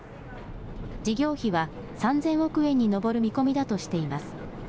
事業費は３０００億円に上る見込みだとしています。